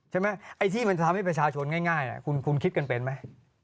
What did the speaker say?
ไอ้ที่มันจะทำให้ประชาชนง่ายคุณคิดกันเป็นไหม